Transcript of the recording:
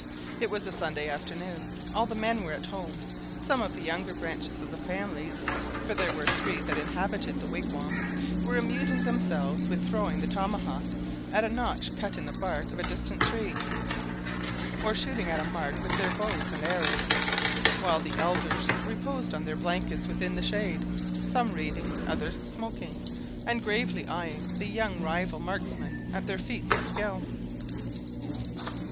It was a Sunday afternoon; all the men were at home; some of the younger branches of the families (for there were three that inhabited the wigwam) were amusing themselves with throwing the tomahawk at a notch cut in the bark of a distant tree, or shooting at a mark with their bows and arrows, while the elders reposed on their blankets within the shade, some reading, others smoking, and gravely eyeing the young rival marksmen at their feats of skill.